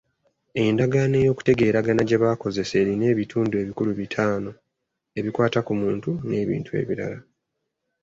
Endagaano ey'okutegeeragana gye bakozesa erina ebitundu ebikulu bitaano, ebikwata ku muntu n'ebintu ebirala.